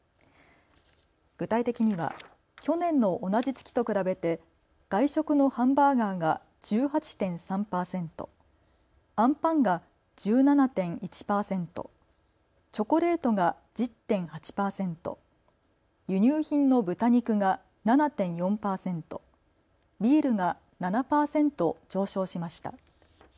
具体的には去年の同じ月と比べて外食のハンバーガーが１８．３％、あんパンが１７．１％、チョコレートが１０．８％、輸入品の豚肉が７．４％、ビールが７％上昇しました。